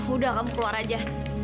udah kamu keluar aja